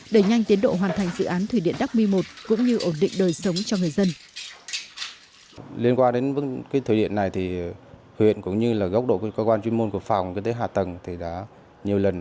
đẩy nhanh tiến độ hoàn thành dự án thủy điện đắc mi một cũng như ổn định đời sống cho người dân